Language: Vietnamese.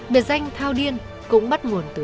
biệt danh thao điên cũng bắt nguồn từ đó